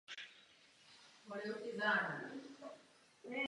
Za podání žaloby se zpravidla platí soudní poplatek.